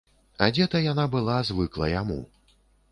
Адзета яна была звыкла яму.